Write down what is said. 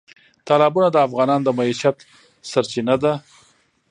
تالابونه د افغانانو د معیشت سرچینه ده.